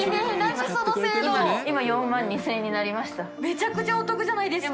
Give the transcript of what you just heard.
めちゃくちゃお得じゃないですか！